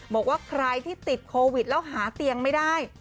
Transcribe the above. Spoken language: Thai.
บอกว่าใครที่ติดโควิดแล้วหาเตียงไม่ได้